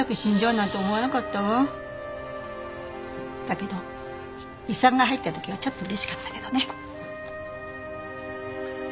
だけど遺産が入った時はちょっと嬉しかったけどね。